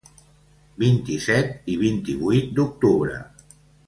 Vint-i-set i vint-i-vuit d’octubre.